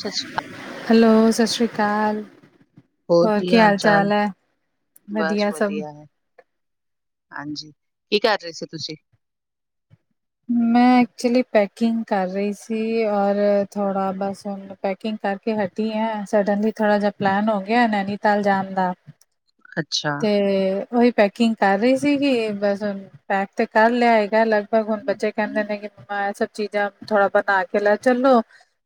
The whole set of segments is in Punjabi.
ਸਤਿ ਸ਼੍ਰੀ ਅਕਾਲ ਹੈਲੋ ਸਤਿ ਸ਼੍ਰੀ ਅਕਾਲ ਹੋਰ ਕੀ ਹਾਲ ਚਾਲ ਹੈ ਬਸ ਵਧੀਆ ਸਭ ਹੈ। ਹਾਂਜੀ ਕੀ ਕਰ ਰਹੇ ਸੀ ਤੁਸੀਂ ਮੈਂ ਐਕਚੁਲੀ ਪੈਕਿੰਗ ਕਰ ਰਹੀ ਸੀ ਔਰ ਥੋੜਾ ਬਸ ਪੈਕਿੰਗ ਕਰਕੇ ਹਟੀ ਆ ਸਡਨਲੀ ਥੋੜ੍ਹਾ ਜਹਾ ਪਲੈਨ ਹੋ ਗਿਆ ਨੈਨੀਤਾਲ ਜਾਨ ਦਾ ਅੱਛਾ ਤੇ ਉਹੀ ਪੈਕਿੰਗ ਕਰ ਰਹੀ ਸੀਗੀ ਬਸਹੁਣ ਪੈਕ ਤੇ ਕਰ ਲਿਆ ਹੈਗਾ ਲਗਭਗ ਹੁਣ ਬੱਚੇ ਕਹਿੰਦੇ ਨੇ ਕਿ ਮੰਮਾ ਇਹ ਸਭ ਚੀਜ਼ਾਂ ਥੋੜਾ ਬਣਾ ਕੇ ਲੈ ਚੱਲੋ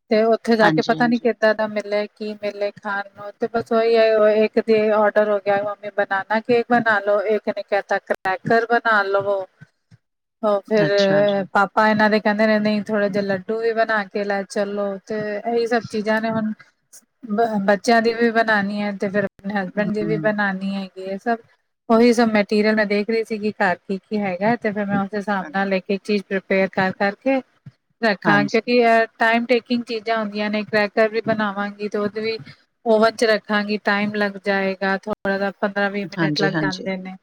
ਤੇ ਉੱਥੇ ਜਾ ਕੇ ਪਤਾ ਨੀ ਹਾਂਜੀ-ਹਾਂਜੀ, ਕਿੱਦਾਂ ਦਾ ਮਿਲੇ ਕੀ ਮਿਲੇ ਖਾਣ ਨੂੰ ਤੇ ਬਸ ਉਹੀ ਹੈ ਇੱਕ ਦੀ ਔਡਰ ਹੋ ਗਿਆ ਮੰਮੀ ਬਨਾਨਾ ਕੇਕ ਬਣਾ ਲੋ ਇੱਕ ਨੇ ਕਹਿਤਾ ਪੈਕਰ ਬਣਾ ਲਵੋ ਉਹ ਫਿਰ, ਅੱਛਾ ਜੀ, ਪਾਪਾ ਇਹਨਾਂ ਦੇ ਕਹਿੰਦੇ ਨੇ, ਨਹੀਂ, ਥੋੜਾ ਜਿਹੇ ਲੱਡੂ ਵੀ ਬਣਾਕੇ ਲੈ, ਚੱਲੋ। ਤੇ, ਇਹੀ ਸਭ ਚੀਜ਼ਾਂ ਨੇ ਹੁਣ, ਬੱਚਿਆਂ ਦੀ ਵੀ ਬਣਾਣੀ ਹੈ, ਤੇ ਫਿਰ ਹਸਬੈਂਡ ਦੀ ਵੀ ਹੂੰ। ਬਨਾਨੀ ਏ। ਇਹ ਸਭ, ਉਹੀ ਸਭ ਮੈਟੀਰੀਅਲ ਮੈਂ ਦੇਖ ਰਹੀ ਸੀਗੀ, ਘਰ ਕੀ-ਕੀ ਹੈਗਾ ਤੇ, ਫਿਰ ਮੈਂ, ਉਸਦੇ ਹਸਾਬ ਹਾਂਜੀ, ਨਾਲ ਇੱਕ ਇੱਕ ਚੀਜ਼ ਪ੍ਰੀਪੇਅਰ ਕਰ-ਕਰਕੇ ਰੱਖਾਂ, ਹਾਂਜੀ-ਹਾਂਜੀ, ਕਿਉਂਕਿ ਟਾਈਮ ਟੇਕਿੰਗ ਚੀਜ਼ਾਂ ਹੁੰਦੀਆਂ ਨੇ, ਕਰੈਕਰ ਵੀ ਬਣਾਵਾਂਗੀ ਤੇ, ਦੁਧ ਵੀ ਓਵਨ'ਚ ਰੱਖਾਂਗੀ, ਟਾਈਮ ਲੱਗ ਜਾਏਗਾ ਥੋ ਥੋੜਾ ਪੰਦਰਾਂ- ਵੀਹ ਮਿਨਟ ਲੱਗ ਹਾਂਜੀ, ਜਾਂਦੇ ਨੇ,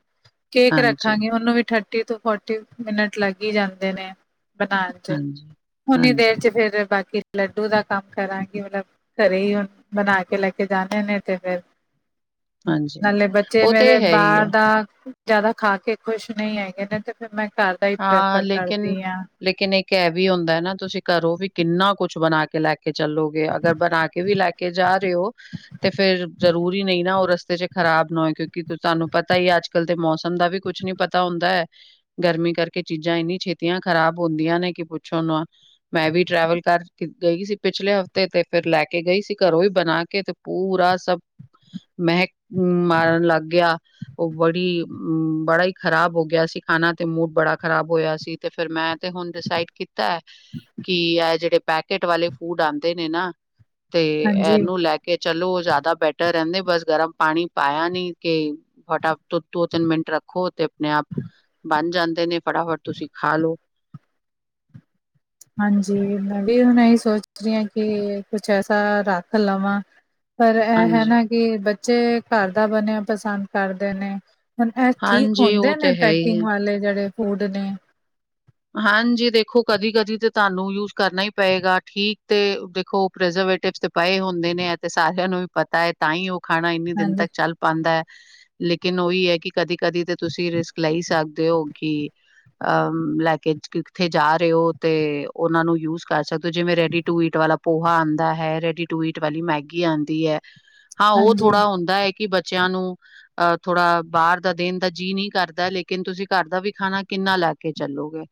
ਕੇਕ ਹਾਂਜੀ। ਰੱਖਾਂਗੀ ਉਹਨੂੰ ਵੀ, ਠੱ ਥਰਟੀ ਤੋਂ, ਫੋਟੀ ਮਿਨਟ ਲੱਗ ਹੀ ਜਾਂਦੇ ਨੇ। ਬਨਾਣ 'ਚ ਹਾਂਜੀ, ਹੁਨੀ ਦੇਰ ਹਾਂਜੀ 'ਚ ਫਿਰ, ਬਾਕੀ ਲੱਡੂ ਦਾ ਕੰਮ ਕਰਾਂਗੀ, ਮਤਲਬ ਘਰੇ ਹੀ, ਹੁਣ ਬਣਾ ਕੇ ਲੈਕੇ ਜਾਣੇ ਨੇ, ਤੇ, ਫਿਰ ਹਾਂਜੀ, ਨਾਲੇ ਬੱਚੇ ਉਹ ਤੇ ਮੇਰੇ, ਹੈ ਹੀ ਹੈ। ਬਾਹਰ ਦਾ ਜ਼ਿਆਦਾ ਖਾਕੇ ਖ਼ੁਸ਼ ਨਹੀਂ ਹੈਗੇ ਨੇ ਤੇ, ਫਿਰ ਮੈਂ ਘਰ ਦਾ ਹੀ ਪ੍ਰੈਫਰ ਕਰਦੀ ਹਾਂ। ਲੇਕਿਨ ਇੱਕ ਐ ਵੀ ਹੁੰਦਾ ਨਾ, ਤੁਸੀਂ ਘਰੋ ਵੀ ਕਿੰਨਾ ਕੁਛ ਬਣਾਕੇ ਲੈਕੇ ਕੇ ਚੱਲੋਗੇ, ਅਗਰ ਬਣਾਕੇ ਵੀ ਲੈਕੇ ਜਾ ਰਹੇ ਹੋ, ਤੇ ਫਿਰ, ਜ਼ਰੂਰੀ ਨਹੀਂ ਨਾ, ਉਹ ਰਸਤੇ'ਚ ਖ਼ਰਾਬ ਨਾ ਹੋਏ ਕਿਉਂਕਿ, ਤੁਹਾਨੂੰ ਪਤਾ ਹੀ ਅੱਜ-ਕੱਲ ਦੇ ਮੌਸਮ ਦਾ ਵੀ ਕੁਛ ਨੀ ਪਤਾ ਹੁੰਦਾ ਹੈ, ਗਰਮੀ ਕਰਕੇ, ਚੀਜ਼ਾਂ ਇੰਨੀ ਛੇਤੀਆਂ ਖ਼ਰਾਬ ਹੁੰਦੀਆਂ ਨੇ ਕਿ, ਪੁੱਛੋ ਨਾ ਆ। ''ਮੈਂ ਵੀ ਟਰੈਵਲ ਕਰ ਗਈ ਸੀ, ਪਿਛਲੇ ਹਫ਼ਤੇ ਤੇ, ਫਿਰ ਲੈਕੇ ਗਈ ਸੀ, ਘਰੋਂ ਵੀ ਬਣਾਕੇ ਤੇ ਪੂਰਾ ਸਭ। ਮਹਿਕ ਮਾਰਨ ਲੱਗ ਗਿਆ। ਉਹ ਬੜੀ, ਬੜਾ ਹੀ ਖ਼ਰਾਬ ਹੋ ਗਿਆ ਸੀ, ਖਾਣਾ ਤੇ ਮੂਡ ਬੜਾ ਖ਼ਰਾਬ ਹੋਇਆ ਸੀ ਤੇ, ਫਿਰ ਮੈਂ, ਤੇ ਹੁਣ ਡਿਸਾਈਡ ਕੀਤਾ ਕਿ, ਐ ਜਿਹੜੇ ਪੈਕ ਕੇਟ ਵਾਲੇ ਫੂਡ ਆਂਦੇ ਨੇ ਨਾ, ਤੇ ਹਾਂਜੀ ਐਨੂੰ ਲੈਕੇ ਕੇ ਚਲੋ, ਉਹ ਜ਼ਿਆਦਾ ਬੈਟਰ ਰਹਿੰਦੇ ਬਸ ਗਰਮ ਪਾਣੀ ਪਾਇਆ ਨੀ, ਕੇ ਫਟਾਫਟ ਤੋਂ, ਦੋ-ਤਿੰਨ ਮਿੰਟ ਰੱਖੋ ਤੇ, ਆਪਣੇ-ਆਪ ਬਣ ਜਾਂਦੇ ਨੇ, ਫਟਾਫਟ ਤੁਸੀਂ ਖਾਲੋੋ। ਹਾਂਜੀ, ਮੈਂ ਵੀ ਹੁਣ ਇਹੀ ਸੋਚ ਰਹੀ ਹਾਂ, ਕਿ, ਕੁਛ ਐਸਾ ਰੱਖ ਲਵਾਂ ਪਰ, ਇਹ ਹੈ ਹਾਂਜੀ ਨਾ ਕਿ, ਬੱਚੇ ਘਰ ਦਾ ਬਣਿਆ ਪਸੰਦ ਕਰਦੇ ਨੇ। ਹੁਣ ਇਹ ਠੀਕ ਹਾਂਜੀ ਹੁੰਦੇ ਉਹ ਨੇ, ਤੇ ਹੈ ਹੀ ਹੈ। ਪੈਕਿੰਗ ਵਾਲੇ ਜਿਹੜੇ ਫੂਡ ਨੇ। ਹਾਂਜੀ, ਦੇਖੋ ਕਦੀ- ਕਦੀ ਤੇ, ਤੁਹਾਨੂੰ ਯੂਜ ਕਰਨਾ ਹੀ ਪਏਗਾ ਠੀਕ ਤੇ, ਦੇਖੋ ਪ੍ਰੇਜ਼ਰਵੇਟਿਵ ਪਏ ਹੁੰਦੇ ਨੇ, ਅਤੇ ਸਾਰਿਆਂ ਨੂੰ ਵੀ ਪਤਾ ਹੈ, ਤਾਂ, ਹੀ ਉਹ ਖਾਣਾ ਇੰਨੀੇ ਦਿਨ ਹਾਂਜੀ, ਤੱਕ ਚੱਲ ਪਾਂਦਾ ਹੈ, ਲੇਕਿਨ ਉਹੀ ਹੈ ਕਿ, ਕਦੀ-ਕਦੀ ਤੇ ਤੁਸੀਂ ਰਿਸਕ ਲੈ ਸਕਦੇ ਹੋ, ਕਿ ਅ ਬਲੈਕ ਕਿ, ਕਿੱਥੇ ਜਾ ਰਹੇ ਹੋ, ਤੇ ਉਹਨਾਂ ਨੂੰ ਯੂਜ ਕਰ ਸਕਦੇ ਹੋ, ਜਿਵੇਂ ਰੈਡੀ ਟੂ ਈਟ ਵਾਲਾ ਪੋਹਾ ਆਂਦਾ ਹੈ, ਰੈਡੀ ਟੂ ਈਟ ਵਾਲੀ ਮੈਗੀ ਆਂਦੀ ਐ। [inaudible] ਹਾਂ, ਉਹ ਥੋੜਾ ਹੁੰਦਾ ਹੈ ਕਿ, ਬੱਚਿਆਂ ਨੂੰ ਅਹ ਥੋੜ੍ਹਾ ਬਾਹਰ ਦਾ ਦੇਣ ਦਾ ਜੀਅ ਨਹੀਂ ਕਰਦਾ, ਲੇਕਿਨ ਤੁਸੀਂ ਘਰ ਦਾ ਵੀ ਖਾਣਾ ਕਿੰਨਾ ਲੈਕੇ ਚੱਲੋਗੇ।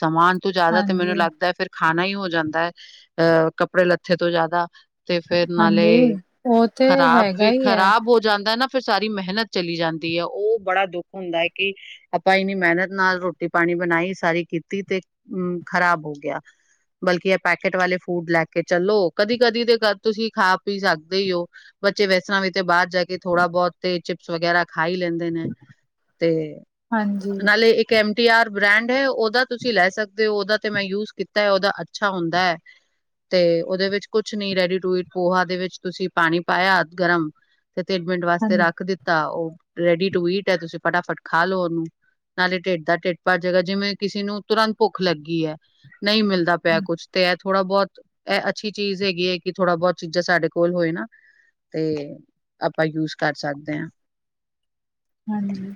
ਸਮਾਨ ਤੋਂ ਜ਼ਿਆਦਾ ਤੇ, ਮੈਨੂੰ ਹਾਂਜੀ, ਲੱਗਦਾ ਫਿਰ ਖਾਣਾ ਹੀ ਹੋ ਜਾਂਦਾ ਹੈ, ਅਹ ਕੱਪੜੇ ਲੱਥੇ ਤੋ ਜ਼ਿਆਦਾ ਤੇ ਫਿਰ ਹਾਂਜੀ, ਨਾਲੇ, ਉਹ ਤੇ ਖਰਾਬ ਹੈਗਾ ਵੀ, ਹੀ ਹੈ। ਖ਼ਰਾਬ ਹੋ ਜਾਂਦਾ ਨਾ ਫਿਰ ਸਾਰੀ ਮਿਹਨਤ ਚਲੀ ਜਾਂਦੀ ਹੈ, ਉਹ ਬੜਾ ਦੁੱਖ ਹੁੰਦਾ ਹੈ, ਕਿ ਆਪਾ ਇੰਨੀ ਮਿਹਨਤ ਨਾਲ ਰੋਟੀ-ਪਾਣੀ ਬਣਾਈ ਸਾਰੀ ਕੀਤੀ, ਤੇ, ਹੂੰ, ਖਰਾਬ ਹੋ ਗਿਆ। ਬਲਕੀ, ੲ ਪੈਕੇਟ ਵਾਲੇ ਫੂਡ ਲੈਕੇ ਚੱਲੋ। ਕਦੀ-ਕਦੀ ਤੇ ਤੁਸੀਂ ਖਾ-ਪੀ ਸਕਦੇ ਈ ਓ। ਬੱਚੇ ਵੈਸਰਾ ਵੀ ਤੇ, ਬਾਹਰ ਜਾਕੇ ਥੋੜਾ ਬਹੁਤ ਤੇ, ਚਿਪਸ ਵਗੈਰਾ ਖਾ ਹੀ ਲੈਂਦੇ। ਤੇ ਹਾਂਜੀ, ਨਾਲੇ, ਇੱਕ ਐਮਟੀ ਆਰ ਬ੍ਰੈਂਡ ਹੈ, ਔਦਾ। ਤੁਸੀਂ ਲੈ ਸਕਦੇ ਓ, ਓਹਦਾ ਤੇ ਮੈਂ ਯੂਜ ਕੀਤਾ ਏ, ਓਹਦਾ ਅੱਛਾ ਹੁੰਦਾ ਏ। ਤੇ, ਓਹਦੇ ਵਿੱਚ ਕੁਛ ਨੀ, ਰੈਡੀ-ਟੂ ਇਟ ਪੋਹਾ ਦੇ ਵਿੱਚ, ਤੁਸੀਂ ਪਾਣੀ ਪਾਯਾ ਗਰਮ ਤੇ, ਤਿਨ ਮਿੰਟ ਵਾਸਤੇ ਹਾਂਜੀ, ਰੱਖ ਦਿੱਤਾ, ਓ ਰੇਡੀ ਟੂ ਈਟ ਏ, ਤੁਸੀਂ ਫਟਾਫਟ ਖਾਲੋੋ ਓਹਨੂੰ। ਨਾਲੇ ਢਿੱਡ ਦਾ ਢਿੱਡ ਪਰ ਜੇਗਾ, ਜਿਵੇਂ ਕਿਸੇ ਨੂੰ ਤੁਰੰਤ ਭੁਖ ਲੱਗੀ ਏ, ਨਈ ਮਿਲਦਾ ਪਿਆ ਕੁੱਛ ਤੇ ਥੋੜਾ-ਬਹੁਤ, ਐ ਅੱਛੀ ਚੀਜ਼ ਹੈਗੀ ਏ, ਕਿ, ਥੋੜਾ ਬਹੁਤ ਚੀਜ਼ਾਂ ਸਾਡੇ ਕੋਲ ਹੋਏ ਨਾ। ਤੇ, ਆਪਾ ਯੂਜ ਕਰ ਸਕਦੇ ਹਾਂ। ਹਾਂਜੀ।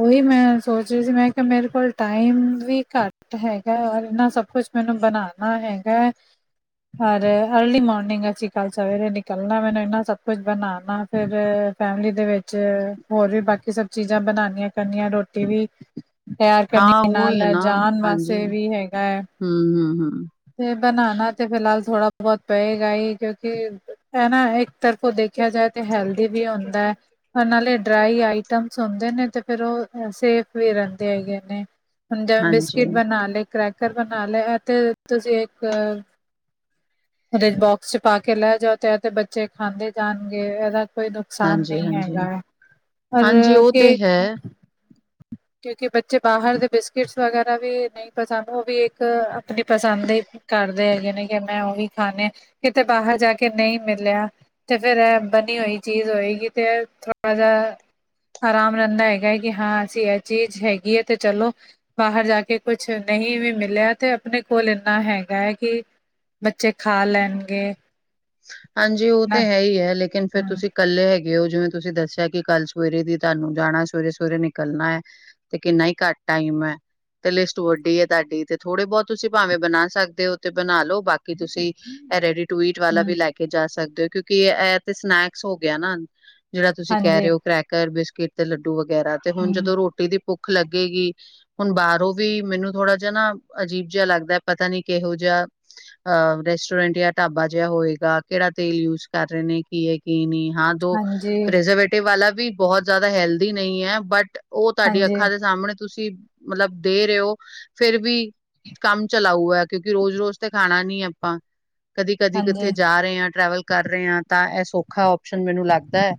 ਔਹੀ ਮੈਂ ਸੋਚ ਰਹੀ ਸੀ। ਮੈਂ ਕਿਆ, ਮੇਰੇ ਕੋਲ ਟਾਈਮ ਵੀ ਕੱਟ ਹੈਗਾ, ਔਰ ਇਨਾ ਸਭ ਕੁਛ ਮੈਨੂੰ ਬਣਾਉਣਾ ਹੈਗਾ ਰ ਅਰਲੀ ਮੋਰਨਿੰਗ ਅਸੀਂ ਕੱਲ੍ਹ ਸਵੇਰੇ ਨਿਕਲਣਾ ਮੈਨੂੰ ਇੰਨਾ ਸਭ ਕੁਛ ਬਣਾਾਨਾ ਫਿਰ ਫੈਮਿਲੀ ਦੇ ਵਿੱਚ ਚ ਹੋਰ ਵੀ ਬਾਕੀ ਸਬ ਚੀਜ਼ਾਂ ਬਣਾਇਆ ਕਰਨੀਆਂ ਰੋਟੀ ਵੀ ਤਿਆਰ ਕਰਨੀ ਹਾਂ ਉਹੀ ਨਾਲ ਹੈ ਨਾ ਜਾਣ ਹਾਂਜੀ ਵਾਸਤੇ ਵੀ ਹੈਗਾ ਹੈ। ਹਮ ਹਮ ਹਮ ਤੇ ਬਣਾਣਾ ਤੇ ਫਿਲਹਾਲ ਥੋੜਾ ਬਹੁਤ ਪਏਗਾ ਹੀ ਕਿਉਕਿ ਹੈਨਾ, ਇੱਕ ਤਰਫੋਂ ਦੇਖਿਆ ਜਾਏ ਤੇ ਹੈਲਦੀ ਵੀ ਹੁੰਦਾ ਅ। ਨਾਲੇ, ਡਰਾਈ ਆਈਟਮਸ ਹੁੰਦੇ ਨੇ, ਤੇ ਫਿਰ ਉਹ ਸੇਫ ਵੀ ਰੈਂਦੇ ਹੈਗੇ ਨੇ। ਹੁਨ ਜੈਵੇਂ ਹਾਂਜੀ ਬਿਸਕਿਟ ਬਣਾ ਲੇ, ਕਰੈਕਰ ਬਣਾ ਲੇ, ਅਤੇ ਤੁਸੀਂ ਇੱਕ ਉਦੇ ਬੋਕਸ ਚ ਪਾ ਕੇ ਲੈ ਜਾਓ, ਤੇ ੲ ਤੇ ਬੱਚੇ ਖਾਂਦੇ ਜਾਣਗੇ। ੲਦਾ ਕੋਈ ਦੁ ਨੁਕਸਾਨ ਹਾਂਜੀ ਨਈ ਹੈਗਾ ਹਾਂਜੀ ਹੈ, ਪਰ ਹਾਂਜੀ ਉਹ ਤੇ ਹੈ ਕਿਉਂਕਿ ਬੱਚੇ ਬਾਹਰ ਦੇ ਬਿਸਕਿਟਸ ਵਗੈਰਾ ਵੀ ਪਸੰਦ ਔ ਵੀ ਇੱਕ ਅਪਣੀ ਪਸੰਦ ਦੇ ਈ ਕਰਦੇ ਹੈਗੇ ਨੇ, ਕਿ ਮੈਂ ਔ ਵੀ ਖਾਂਣੇ ਕਿਤੇ ਬਾਹਰ ਜਾ ਕੇ ਨਈ ਮਿਲਿਆ। ਤੇ ਫੇਰ ੲ ਬਣੀ ਹੋਈ ਚੀਜ਼ ਹੋਏਗੀ, ਤੇ ਥੋੜਾ ਜਾ ਆਰਾਮ ਰੈਂਦਾ ਹੈਗਾ ੲ, ਕਿ ਹਾਂ ਅਸੀਂ ਇਹ ਚੀਜ਼ ਹੈਗੀ ੲ, ਤੇ ਚਲੋ ਬਾਹਰ ਜਾ ਕੇ ਕੁਛ ਨਹੀਂ ਵੀ ਮਿਲਿਆ, ਤੇ ਅਪਣੇ ਕੋਲ ਇੰਨਾ ਹੈਗਾ ਅ ਕਿ ਬੱਚੇ ਖਾ ਲੈਣਗੇ। ਹਾਂਜੀ, ਔ ਨਾ ਤੇ ਹੈ ਈ ਅ, ਲੇਕਿਨ ਫੇਰ ਹਾਂ ਤੁਸੀਂ ਕੱਲੇ ਹੈਗੇ ਹੋ। ਜਿਵੇਂ ਤੁਸੀਂ ਦੱਸਿਆ ਕਿ ਕੱਲ ਸਵੇਰੇ ਦੀ ਤਾਨੂੰ ਜਾਣਾ, ਸਵੇਰੇ ਸਵੇਰੇ ਨਿਕਲਣਾ ਅ। ਤੇ ਕਿੰਨਾ ਈ ਘਟ ਟਾਈਮ ਹੈ। ਤੇ ਲਿਸਟ ਵੱਡੀ ੲ ਤਾਡੀ। ਤੇ ਥੋੜੇ ਬੋਤ ਤੁਸੀਂ ਪਾਵੇਂ ਬਣਾ ਸਕਦੇ ਹੋ, ਤੇ ਬਣਾ ਲੋ। ਬਾਕੀ ਤੁਸੀਂ ਅ ਰੇਡੀ-ਟੂ-ਈਟ ਵਾਲਾ ਹੂੰ, ਵੀ ਲੈ ਕੇ ਜਾ ਸਕਦੇ ਔ, ਕਿਉਂਕਿ ਅ ਤੇ ਸਨੈਕਸ ਹੋ ਗਿਆ ਨਾ। ਜਿਹੜਾ ਤੁਸੀਂ ਹਾਂਜੀ, ਕੈ ਰੇ ਔ, ਕ੍ਰੈਕਰ ਬਿਸਕਿਟ ਤੇ ਲੱਡੂ ਵਗੈਰਾ। ਤੇ ਹੁਣ, ਹੂੰ, ਜਦੋਂ ਰੋਟੀ ਦੀ ਭੁੱਖ ਲੱਗੇਗੀ ਹੁਣ ਬਾਰੋਂ ਵੀ ਮੈਨੂੰ ਥੋੜ੍ਹਾ ਜਾ ਨਾ, ਅਜੀਬ ਜੇਆ ਲੱਗਦਾ, ਪਤਾ ਨੀ ਕੇਹੋ ਜੇਆ। ਅ ਰੈਸਟੋਰੈਂਟ ਜਾਂ ਟਾਬਾ ਜੇਆ ਹੋਏ। ਕਿਹੜਾ ਤੇਲ ਯੂਸ ਕਰ ਰੇ ਨੇ, ਕੀ ਏ, ਕੀ ਨੀ? ਹਾਂ ਦੋ ਹਾਂਜੀ, ਪ੍ਰ ਟੇ ਵਾਲਾ ਵੀ ਬੋਤ ਜ਼ਾਦਾ ਹੈਲਦੀ ਨਈ ਅ, ਬਟ ਔ ਤੁਹਾਡੀ ਹਾਂਜੀ, ਅੱਖਾਂ ਦੇ ਸਾਮਣੇ ਤੁਸੀਂ ਮਤਲਬ ਦੇ ਰੇ ਔ, ਫਿਰ ਵੀ ਕੰਮ-ਚਲਾਊ ਅ, ਕਿਉਂਕਿ ਰੋਜ਼-ਰੋਜ਼ ਤੇ ਖਾਣਾ ਨੀ ਆਪਾਂ, ਕਦੀ-ਕਦੀ ਹਾਂਜੀ, ਉੱਥੇ ਜਾ ਰੇ ਆ, ਟਰੈਵਲ ਕਰ ਰੇ ਆ, ਤਾਂ ਅ ਸੌਖਾ ਔਪਸ਼ਨ ਮੈਨੂੰ ਲੱਗਦਾ ਅ।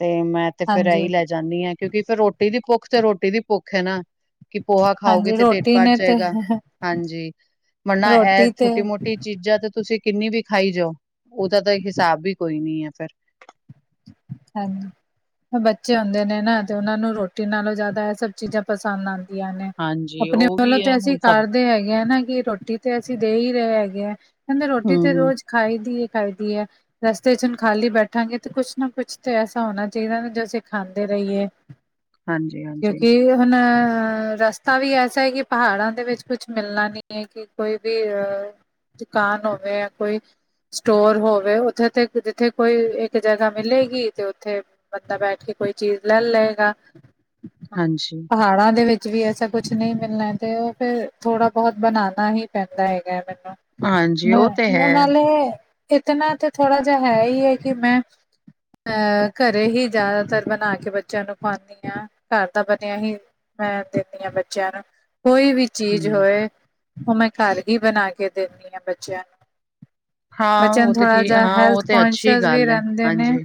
ਤੇ ਮੈਂ ਤੇ ਫੇਰ ਅਈ ਹਾਂਜੀ। ਲੈ ਜਾਨੀ ਅ, ਕਿਉਂਕਿ ਫਿਰ ਰੋਟੀ ਦੀ ਭੁੱਖ ਤੇ ਰੋਟੀ ਦੀ ਭੁੱਖ ਹੈ ਨਾ। ਕਿ ਪੋਹਾ ਖਾਓਗੇ ਹਾਂਜੀ, ਤੇ ਟਿਡ ਰੋਟੀ ਪਰ ਨੇ ਤੇ ਜੇਗਾ। ਹਾਂਜੀ, ਵਰਨਾ ਅ ਰੋਟੀ ਤੇ ਛੋਟੀ ਮੋਟੀ ਚੀਜ਼ਾਂ ਤੇ ਤੁਸੀਂ ਕਿੰਨੀ ਵੀ ਖਾਈ ਜਾਔ, ਔਦਾ ਤਾਂ ਹਿਸਾਬ ਵੀ ਕੋਈ ਨੀ ਅ ਫੇਰ। ਹਾਂਜੀ। ਬੱਚੇ ਹੁੰਦੇ ਨੇ ਨਾ, ਤੇ ਔਨਾਂ ਨੂੰ ਰੋਟੀ ਨਾਲੋਂ ਜਾਦਾ ਏ ਸਭ ਚੀਜ਼ਾਂ ਪਸੰਦ ਆਂਦ ਨੇ। ਹਾਂਜੀ, ਅਪਣੇ ਉਹ ਵੀ ਵੱਲੋਂ ਹੈ ਤੇ ਅਸੀਂ ਹੁਣ ਸਭ ਕਰਦੇ ਹੈਗੇ ਅ, ਨਾ ਕਿ ਰੋਟੀ ਤੇ ਅਸੀਂ ਦੇ ਈ ਰਏ ਹੈਗੇ ਅ। ਕੈਂਦੇ ਰੋਟੀ ਤੇ ਹੂੰ, ਰੋਜ਼ ਖਾਈ ਦੀ ਹਏ ਖਾਈ ਦੀ ਏ ਰਸਤੇ ਚ ਹੁਣ ਖਾਲੀ ਬੈਠਾਂਗੇ ਤੇ ਕੁਛ ਨਾ ਕੁਛ ਤਾਂ ਐਸਾ ਹੋਣਾ ਚਾਈਦਾ ਨਾ ਜੋ ਅਸੀਂ ਖਾਂਦੇ ਰਹੀਏ ਹਾਂਜੀ-ਹਾਂਜੀ, ਕਿਉਂਕਿ ਹੁਣ ਰਸਤਾ ਵੀ ਐਸਾ ਏ ਕਿ ਪਹਾੜਾਂ ਦੇ ਵਿੱਚ ਕੁਛ ਮਿਲਣਾ ਨਹੀਂ ਏ ਕਿ ਕੋਈ ਵੀ ਅਹ ਦੁਕਾਨ ਹੋਵੇ ਜਾਂ ਕੋਈ ਸਟੋਰ ਹੋਵੇ ਉੱਥੇ ਤੇ ਜਿੱਥੇ ਕੋਈ ਇੱਕ ਜਗ੍ਹਾ ਮਿਲੇਗੀ ਤੇ ਉੱਥੇ ਬੰਦਾ ਬੈਠ ਕੇ ਕੋਈ ਚੀਜ਼ ਲੈ ਲਏਗਾ ਹਾਂਜੀ, ਪਹਾੜਾਂ ਦੇ ਵਿੱਚ ਵੀ ਐਸਾ ਕੁਛ ਨਹੀਂ ਮਿਲਣਾ ਤੇ ਉਹ ਫਿਰ ਥੋੜਾ ਬੋਤ ਬਣਾਣਾ ਹੀ ਪੈਂਦਾ ਹੈਗਾ ਹੈ ਹਾਂਜੀ ਉਹ ਤੇ ਮੈਨੂੰ ਹੈ। ਨਾਲੇ ਇਤਨਾ ਤਾਂ ਥੋੜਾ ਜਿਆ ਹੈ ਹੀ ਹੈ ਕਿ ਮੈਂ ਅਹ ਘਰੇ ਹੀ ਜ਼ਿਆਦਾਤਰ ਬਣਾ ਕੇ ਬੱਚਿਆਂ ਨੂੰ ਖਵਾਉਂਦੀ ਹਾਂ, ਘਰ ਦਾ ਬਣਿਆ ਹੀ ਮੈਂ ਦਿੰਦੀ ਆ ਬੱਚਿਆਂ ਨੂੰ ਕੋਈ ਵੀ ਚੀਜ਼ ਹੂੰ, ਹੋਏ ਓ, ਮੈਂ ਘਰ ਹੀ ਬਣਾ ਕੇ ਦਿੰਦੀ ਹਾਂ ਬੱਚਿਆਂ ਨੂੰ ਹਾਂ ਬੱਚਿਆ ਉਹ ਨੂੰ ਤੇ ਥੋੜ੍ਹਾ ਠੀਕ ਜਾ ਹਾਂ ਉਹ ਹੈਲਥ ਤੇ ਅੱਛੀ ਕੋਂਨਸ਼ੀਅਸ ਵੀ ਗੱਲ ਹੈ, ਰੈਂਦੇ ਨੇ। ਹਾਂਜੀ।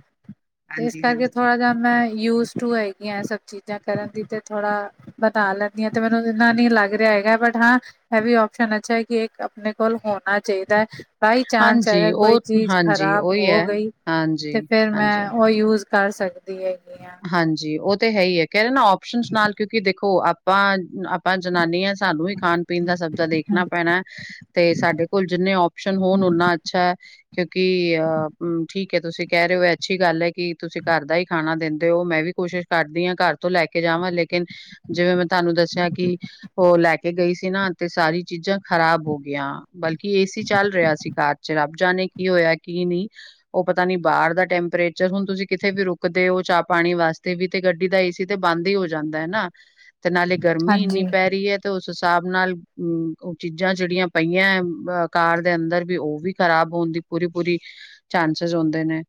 ਤੇ ਏਸ ਹਾਂਜੀ-ਹਾਂਜੀ, ਕਰਕੇ ਹਾਂਜੀ ਥੋੜ੍ਹਾ ਜਾ ਮੈਂ ਯੂਜ ਟੂ ਹੈਗੀ ਅ ਸਭ ਚੀਜ਼ਾਂ ਕਰਨ ਦੀ, ਤੇ ਥੋੜ੍ਹਾ ਪੱਕਾ ਲੈਂਦੀ ਅ। ਤੇ ਮੈਨੂੰ ਇੰਨਾ ਨੀ ਚੰਗਾ ਰੇਯਾ ਹੈਗਾ, ਬਟ ਹਾਂ ਐਵੀ ਆਪਸ਼ਨ ਅੱਛਾ ਅ ਕਿ ਇੱਕ ਅਪਣੇ ਕੋਲ ਹੋਣਾ ਚਈਦਾ ਅ। ਬਾਈ ਚਾਂਸ, ਹਾਂਜੀ ਅਗਰ ਕੋਈ ਉਹ ਚੀਜ਼ ਹਾਂਜੀ ਖ਼ਰਾਬ ਉਹੀ ਹੋ ਹੈ, ਗਈ ਹਾਂਜੀ, ਤੇ ਫਿਰ ਹਾਂਜੀ। ਮੈਂ ਉਈ ਯੂਜ ਕਰ ਸਕਦੀ ਹੈਗੀ ਆ ਹਾਂਜੀ ਓ ਤੇ ਹੈ ਹੀ ਏ ਕਹਿ ਰਹੇ ਨਾ ਓਸ਼ਨ ਨਾਲ ਕਿਉਂਕਿ ਦੇਖੋ ਆਪਾਂ ਆਪਾਂ ਜਨਾਨੀਆਂ ਸਾਨੂੰ ਹੀ ਖਾਣ ਪੀਣ ਦਾ ਸਬਦਾ ਦੇਖਣਾ ਹਾਂਜੀ, ਪੈਣੇ ਤੇ ਸਾਡੇ ਕੋਲ ਜਿੰਨੇ ਓਪਸ਼ਨ ਹੋਣ ਓਨਾ ਅੱਛਾ ਕਿਉਂਕਿ ਅੋ ਠੀਕ ਕਿ ਤੁਸੀਂ ਕੇ ਰਹੇ ਹੋ ਅੱਛੀ ਗੱਲ ਹੈ ਕਿ ਤੁਸੀਂ ਘਰ ਦਾ ਹੀ ਖਾਣਾ ਦਿੰਦੇ ਤੇ ਓ ਮੈਂ ਵੀ ਕੋਸ਼ਿਸ਼ ਕਰਦੀ ਆ ਘਰ ਤੋਂ ਲੈ ਕੇ ਜਾਵਾਂ ਲੇਕਿਨ ਜਿਵੇਂ ਮੈਂ ਤੁਹਾਨੂੰ ਦੱਸਿਆ ਕਿ ਓ ਲੈ ਕੇ ਗਈ ਸੀ ਨਾ ਤੇ ਸਾਰੀ ਚੀਜ਼ਾਂ ਖ਼ਰਾਬ ਹੋ ਗਈਆਂ ਬਲਕਿ ਏਸੀ ਚੱਲ ਰਿਆ ਸੀ ਕਾਰ ਚ ਰੱਬ ਜਾਣੇ ਕੀ ਹੋਇਆ ਕੀ ਨਹੀਂ ਉਹ ਪਤਾ ਨੀ ਬਾਹਰ ਦਾ ਟੈਂਪਰੇਚਰ ਹੁਣ ਤੁਸੀਂ ਕਿੱਥੇ ਵੀ ਰੁਕਦੇ ਹੋ ਚਾਪ ਪਾਣੀ ਵਾਸਤੇ ਵੀ ਤੇ ਗੱਡੀ ਦਾ ਏ ਸੀ ਤੇ ਬੰਦ ਹੀ ਹੋ ਜਾਂਦਾ ਨਾ ਤੇ ਨਾਲੇ ਗਰਮੀ ਹਾਂਜੀ, ਇੰਨੀ ਪੈ ਰਹੀ ਹੈ ਤੇ ਉਸ ਹਿਸਾਬ ਨਾਲ ਉਹ ਚੀਜ਼ਾਂ ਜਿਹੜੀਆਂ ਪਈਆਂ ਅ ਕਾਰ ਦੇ ਅੰਦਰ ਵੀ ਉਹ ਵੀ ਖਰਾਬ ਹੋਣ ਦੀ ਪੂਰੀ ਪੂਰੀ ਚਾਂਸਿਸ ਹੁੰਦੇ ਨੇ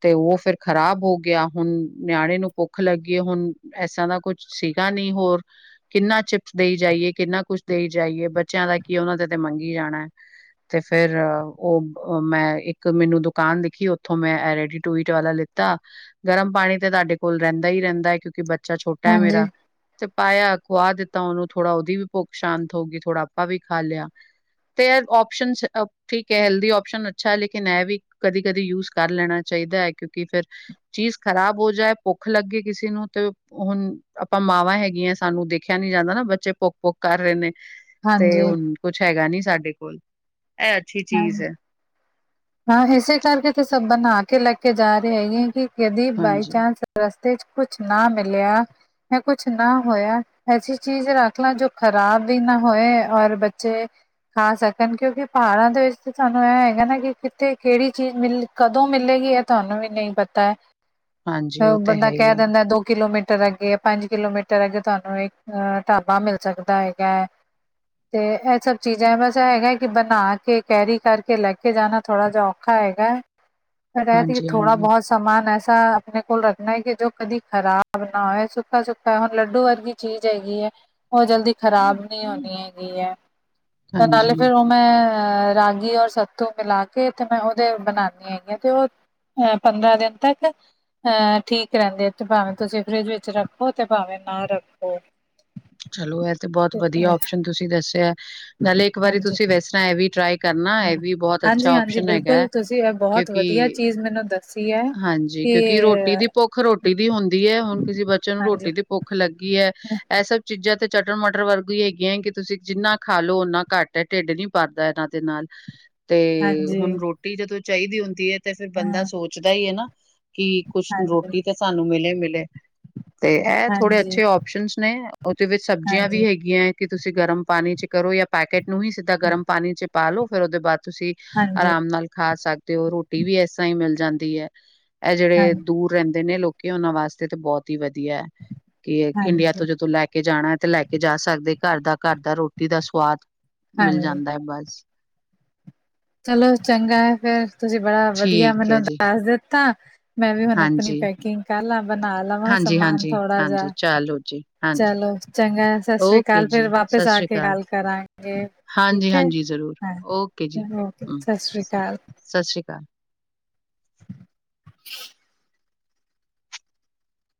ਤੇ ਉਹ ਫਿਰ ਖ਼ਰਾਬ ਹੋ ਗਿਆ ਹੁਣ ਨਿਆਨੇ ਨੂੰ ਭੁੱਖ ਲੱਗੀਏ ਹੁਣ ਐਸਾਂ ਦਾ ਕੁਛ ਸੀਗਾ ਨੀ ਹੋਰ ਕਿੰਨਾ ਚਿਪਸ ਦੇਈ ਜਾਈਏ ਕਿੰਨਾ ਕੁਛ ਦੇਈ ਜਾਈਏ ਬੱਚਿਆਂ ਦਾ ਕੀ ਉਹਨਾਂ ਦੇ ਤੇ ਮੰਗੀ ਜਾਣਾ ਹੈ ਤੇ ਫਿਰ ਉਹ ਮੈਂ ਇੱਕ ਮੈਨੂੰ ਦੁਕਾਨ ਦਿਖੀ ਉੱਥੋਂ ਮੈਂਡੀ ਟੂਟ ਵਾਲਾ ਲ ਕੀਤਾ ਗਰਮ ਪਾਣੀ ਤਾਂ ਤਾਡੇ ਕੋਲ ਰਹਿੰਦਾ ਹੀ ਰਹਿੰਦਾ ਏ ਕਿਉਂਕਿ ਬੱਚਾ ਛੋਟਾ ਹੈ ਮੇਰਾ ਤੇ ਪਾਇਆ ਖੁਆ ਦਿੱਤਾ ਉਹਨੂੰ ਥੋੜਾ ਉਹਦੀ ਵੀ ਭੁੱਖ ਸ਼ਾਂਤ ਹੋ ਗਈ ਥੋੜਾ ਆਪਾਂ ਵੀ ਖਾ ਲਿਆ ਤੇ ਆਰ ਓਪਸ਼ਨ ਠੀਕ ਹੈ ਹੈਲਦੀ ਔਪਓਸ਼ਨ ਅੱਛਾ ਹੈ ਲੇਕਿਨ ਇਹ ਵੀ ਕਦੀ ਕਦੀ ਯੂਜ ਕਰ ਲੈਣਾ ਚਾਹੀਦਾ ਹੈ ਕਿਉਂਕਿ ਫਿਰ ਚੀਜ਼ ਖ਼ਰਾਬ ਹੋ ਜਾਏ ਭੁੱਖ ਲੱਗੀ ਕਿਸੇ ਨੂੰ ਤੇ ਹੁਣ ਅਪਾਂ ਮਾਵਾਂ ਹੈਗੀਆਂ ਸਾਨੂੰ ਦੇਖਿਆ ਨੀ ਜਾਂਦਾ ਨਾ ਬੱਚੇ ਭੁੱਖ ਭੁੱਖ ਕਰ ਰੇ ਨੇ ਤੇ ਹਾਂਜੀ, ਹੁਣ ਕੁਛ ਹੈਗਾ ਨੀ ਸਾਡੇ ਕੋਲ ਐ ਅੱਛੀ ਚੀਜ਼ ਹਾਂਜੀ। ਏ ਹਾਂ ਇਸੇ ਕਰਕੇ ਤੇ ਸਭ ਬਣਾ ਕੇ ਲੇ ਕੇ ਜਾ ਰਹੇ ਹੈਗੇ ਕਿ ਯਦੀ ਬਾਈ ਹਾਂਜੀ, ਚਾਂਸ ਰਸਤੇ ਚ ਕੁਛ ਨਾ ਮਿਲਿਆ ਮ ਕੁਛ ਨਾ ਹੋਇਆ ਐਸੀ ਚੀਜ਼ ਰੱਖ ਲਾਂ ਜੋ ਖ਼ਰਾਬ ਵੀ ਨਾ ਹੋਏ ਔਰ ਬੱਚੇ ਖਾ ਸਕਣ ਕਿਉਂਕਿ ਪਹਾੜਾਂ ਦੇ ਵਿੱਚ ਸਾਨੂੰ ਇ ਹੈਗਾ ਨਾ ਕਿ ਤੇ ਕਿਹੜੀ ਚੀਜ਼ ਮਿਲ ਕਦੋਂ ਮਿਲੇਗੀ ਏ ਤੁਹਾਨੂੰ ਵੀ ਨਹੀਂ ਪਤਾ ਹੈ ਹਾਂਜੀ ਉਹ ਤਾਂ ਬੰਦਾ ਹੈ ਹੀ ਕੇ ਹੈ। ਦਿੰਦਾ ਦੋ ਕਿਲੋਮੀਟਰ ਅੱਗੇ ਪੰਜ ਕਿਲੋਮੀਟਰ ਅੱਗੇ ਤੁਹਾਨੂੰ ਇੱਕ ਢਾਬਾ ਮਿਲ ਸਕਦਾ ਹੈਗਾ ਤੇ ਇਹ ਸਭ ਚੀਜ਼ਾਂ ਬਸ ਹੈਗਾ ਕਿ ਬਣਾ ਕੇ ਕੈਰੀ ਕਰਕੇ ਲੈ ਕੇ ਜਾਣਾ ਥੋੜਾ ਜਾ ਔਖਾ ਹੈਗਾ ਮੈਂ ਕਹਿ ਤ ਹਾਂਜੀ, ਥੋੜਾ ਹਾਂਜੀ। ਬਹੁਤ ਸਮਾਨ ਐਸਾ ਆਪਣੇ ਕੋਲ ਰੱਖਣੇ ਕਿ ਜੋ ਕਦੀ ਖਰਾਬ ਨਾ ਹੋ ਸੁੱਖਾ ਸੁੱਖਾ ਹੈ ਹੁਣ ਲੱਡੂ ਵਰਗੀ ਚੀਜ਼ ਹੈਗੀ ਏ ਉਹ ਜਲਦੀ ਖ਼ਰਾਬ ਨਹੀਂ ਹੋਣੀ ਹੈਗੀ ਹੈ ਤਾਂ ਨਾਲੇ ਹਾਂਜੀ, ਫਿਰ ਮੈਂ ਰਾਗੀ ਔਰ ਸੱਤੂ ਪਿਲਾ ਕੇ ਕੇ ਤੇ ਮੈਂ ਉਹਦੇ ਬਣਾਉਦੀ ਆਗੀ ਹ ਤੇ ਉਹ ਅਹ ਪੰਦਰਾਂ ਦਿਨ ਤੱਕ ਅਹ ਠੀਕ ਰਹਿੰਦੀ ਹੈ ਤੇ ਭਾਵੇਂ ਤੁਸੀਂ ਫਰਿਜ ਵਿੱਚ ਰੱਖੋ ਤੇ ਭਾਵੇਂ ਨਾ ਰੱਖੋ [inaudible] ਚਲੋ ਇਹ ਤੇ ਬਹੁਤ ਵਧੀਆ ਆਪਓਪਸ਼ਨ ਤੁਸੀਂ ਦੱਸਿਆ ਨਾਲੇ ਇੱਕ ਵਾਰੀ ਹਾਂਜੀ ਤੁਸੀਂ ਵੈ ਤਰ੍ਹਾਂ ਇਹ ਵੀ ਟਰਾਈ। ਕਰਨਾ ਹੂੰ, ਇਹ ਵੀ ਬਹੁਤ ਅੱਛਾ ਹਾਂਜੀ-ਹਾਂਜੀ ਓਪਸ਼ਨ ਹੈਗਾ ਹੈ, ਬਿਲਕੁਲ ਤੁਸੀਂ ਇਹ ਬਹੁਤ ਕਿਉਂਕਿ! ਵਧੀਆ ਮੈਨੂੰ ਦੱਸੀ ਏ। ਹਾਂਜੀ, ਕਿਉਂਕਿ ਰੋਟੀ ਦੀ ਭੁੱਖ ਰੋਟੀ ਦੀ ਹੁੰਦੀ ਏ ਹੁਣ ਕਿਸੇ ਬੱਚੇ ਨੂੰ ਹਾਂਜੀ, ਰੋਟੀ ਦੀ। ਭੁੱਖ ਲੱਗੀ ਏ। ਇਹ ਸਭ ਚੀਜ਼ਾਂ ਤੇ ਚਟਰ -ਮਟਰ ਵਰਗੀ ਹੀ ਹੈਗੀਆਂ ਕਿ ਤੁਸੀਂ ਜਿੰਨਾ ਖਾ ਲਓ ਓਨਾ ਘੱਟ। ਤੇ ਢਿੱਡ ਨੀ ਭਰਦਾ ਇਹਨਾਂ ਦੇ ਨਾਲ ਤੇ ਤੇ ਹਾਂਜੀ, ਹੁਣ ਰੋਟੀ ਜਦੋਂ ਚਾਹੀਦੀ ਹੁੰਦੀ ਏ, ਤੇ ਫਿਰ ਬੰਦਾ ਹਾਂ, ਸੋਚਦਾ ਈ ਏ ਨਾ। ਕਿ ਕੁੱਛ ਹਾਂਜੀ। ਰੋਟੀ ਤਾਂ ਸਾਨੂੰ ਮਿਲੇ-ਮਿਲੇ ਤੇ ਇਹ ਥੋੜੇ ਹਾਂਜੀ, ਅੱਛੇ ਓਪਸ਼ਨਸ ਨੇ ਉਹਦੇ ਵਿੱਚ ਸਬਜ਼ੀਆਂ ਵੀ ਹਾਂਜੀ, ਹੈਗੀਆਂ। ਕਿ ਤੁਸੀਂ ਗਰਮ ਪਾਣੀ ਚ ਕਰੋ ਯਾ ਪੈਕੇਟ ਨੂੰ ਹੀ ਸਿੱਧਾ ਗਰਮ ਪਾਣੀ ਚ ਪਾ ਲੋ ਫਿਰ ਉਹਦੇ ਬਾਦ ਤੁਸੀਂ- ਹਾਂਜੀ, ਆਰਾਮ ਨਾਲ ਖਾ ਸਕਦੇ ਹੋ ਰੋਟੀ ਵੀ ਐਸਰਾ ਹੀ ਮਿਲ ਜਾਂਦੀ ਏ। ਇਹ ਹਾਂ, ਜਿਹੜੇ ਦੂਰ- ਰਹਿੰਦੇ ਨੇ ਲੋਕੀ ਉਹਨਾਂ ਵਾਸਤੇ ਤੇ ਬਹੁਤ ਹੀ ਵਧੀਆ ਇੰਡੀਆ ਹਾਂਜੀ, ਤੋਂ ਜਦੋਂ ਲੈਕ ਕੇ ਜਾਣਾ ਤੇ ਲੈ ਕੇ ਜਾ ਸਕਦੇ ਘੱਰ ਦਾ ਘੱਰ ਦਾ ਰੋਟੀ ਦਾ ਸਵਾਦ ਮਿਲ ਹਾਂਜੀ। ਜਾਂਦਾ ਏ ਬਸ। ਚਲੋ ਚੰਗਾ ਏ ਫੇਰ ਤੁਸੀਂ ਬੜਾ ਵਧੀਆ ਠੀਕ ਹੈ ਮੈਨੂੰ ਜੀ ਦੱਸ ਦਿੱਤਾ। ਮੈਂ ਵੀ ਹੁਣ ਆਪਣੀ ਹਾਂਜੀ ਪੈਕਿੰਗ ਕਰ ਲਾ ਬਣਾ ਲਵਾਂ ਹਾਂਜੀ ਸਮਾਨ ਹਾਂਜੀ ਥੋੜਾ ਹਾਂਜੀ ਜਿਹਾ। ਚਲੋ ਜੀ ਹਾਂਜੀ ਚਲੋ ਚੰਗਾ ਸਤਿ ਸ੍ਰੀ ਓਕੇ ਅਕਾਲ ਫਿਰ ਜੀ ਵਾਪਿਸ ਆ ਕੇ ਗੱਲ ਕਰਾਂਗੇ। ਹਾਂਜੀ ਠੀਕ ਐ, -ਹਾਂਜੀ ਜ਼ਰੂਰ ਓਕੇ ਜੀ ਹਾਂ ਓਕੇ ਹ ਸਤਿ ਸ੍ਰੀ ਅਕਾਲ। ਸਤਿ ਸ਼੍ਰੀ ਅਕਾਲ। [inaudible]